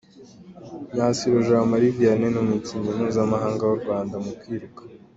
Myasiro Jean Marie Vianney ni umukinnyi mpuzamahanga w’u Rwanda mu kwiruka.